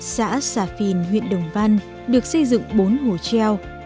xã xà phìn huyện đồng văn được xây dựng bốn hồ treo